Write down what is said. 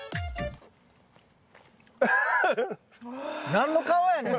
何の顔やねん。